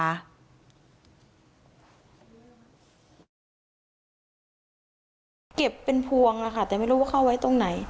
เรากำลังเก็บเป็นพวงนะคะแต่ไม่รู้ว่าเข้าไว้ตรงไหน